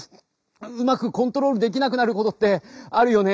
うまくコントロールできなくなることってあるよね。